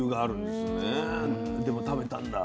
でも食べたんだ。